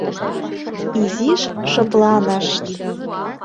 Изиш шыпланышт.